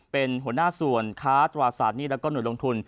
เป็นหัวหน้าส่วนค้าตราสารหนี้แล้วก็หน่วยลงทุน